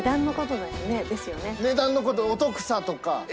値段の事お得さとか。